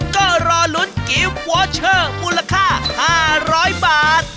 ก็รอลุ้นกิฟต์วอเชอร์มูลค่า๕๐๐บาท